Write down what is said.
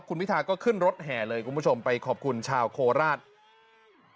คุณพิทาก็ขึ้นรถแห่เลยคุณผู้ชมไปขอบคุณชาวโคราช